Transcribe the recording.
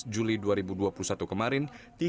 dua juli dua ribu dua puluh satu kemarin